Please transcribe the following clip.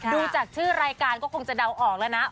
ดูจากชื่อรายการก็คงจะเดาออกแล้วนะ